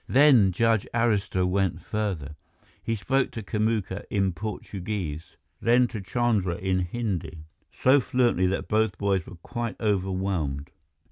Then Judge Arista went further. He spoke to Kamuka in Portuguese, then to Chandra in Hindi, so fluently that both boys were quite overwhelmed.